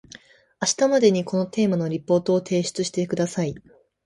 明日までにこのテーマのリポートを提出してください